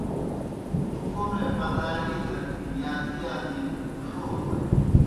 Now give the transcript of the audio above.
تُوْ کوْمے پَدَاری دہ یازی یازی ݜودوئے۔